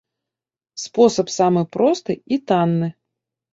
Спосаб самы просты і танны.